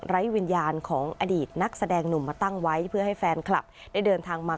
วิญญาณของอดีตนักแสดงหนุ่มมาตั้งไว้เพื่อให้แฟนคลับได้เดินทางมา